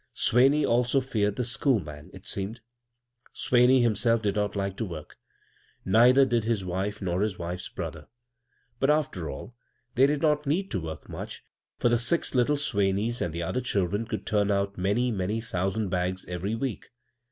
(Swaney, also, feared the " school man," it seemed.) Swaney himself did not like to work; neither did his wife, nor his wife's brother. But, after all, they did not need to work much, for the six litde Swaneys and the other children could turn out many, many thousand bags every week.